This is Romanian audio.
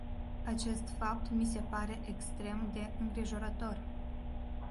Acest fapt mi se pare extrem de îngrijorător.